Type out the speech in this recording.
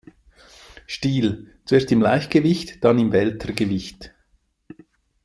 Stil, zuerst im Leichtgewicht, dann im Weltergewicht.